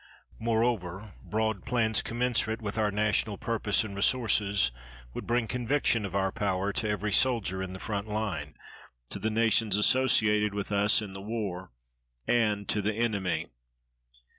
Moreover, broad plans commensurate with our national purpose and resources would bring conviction of our power to every soldier in the front line, to the nations associated with us in the war, and to the enemy.